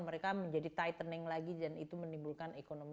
mereka menjadi tightening lagi dan itu menimbulkan ekonomi